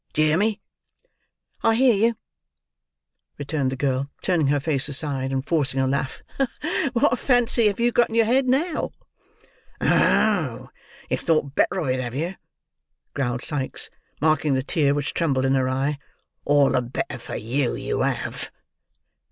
D'ye hear me?" "I hear you," replied the girl, turning her face aside, and forcing a laugh. "What fancy have you got in your head now?" "Oh! you've thought better of it, have you?" growled Sikes, marking the tear which trembled in her eye. "All the better for you, you have."